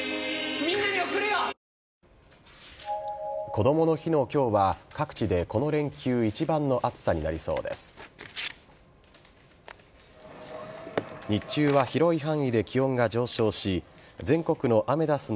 こどもの日の今日は各地で、この連休一番の暑さになりそうです。